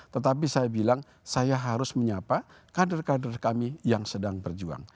tetapi saya bilang saya harus menyapa kader kader kami yang sedang berjuang